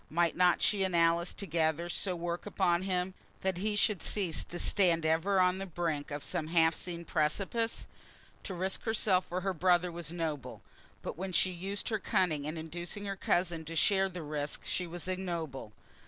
Might not she and Alice together so work upon him, that he should cease to stand ever on the brink of some half seen precipice? To risk herself for her brother was noble. But when she used her cunning in inducing her cousin to share that risk she was ignoble.